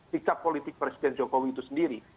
sikap politik presiden jokowi itu sendiri